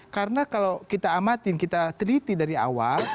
karena kalau kita amatin kita teliti dari awal